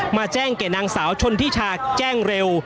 มาแจ้งแก่นางสาวชนทิชาแจ้งเร็ว